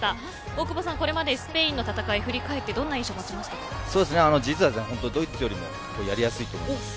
大久保さん、これまでスペインの戦い振り返って実はドイツよりもやりやすいと思います。